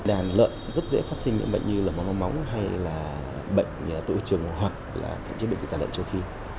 đàn lợn rất dễ phát sinh những bệnh như mong mong mong hay là bệnh tội trường hoặc là thậm chí bệnh dịch tàn lợn châu phi